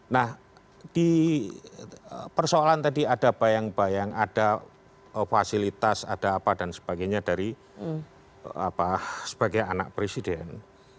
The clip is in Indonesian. nah di persoalan tadi ada bayang bayang ada fasilitas ada apa dan sebagainya dari sebagai anak presiden